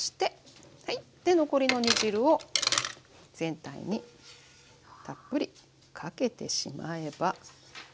はいで残りの煮汁を全体にたっぷりかけてしまえば。